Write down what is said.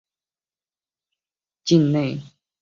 境内有戛洒江和平甸河。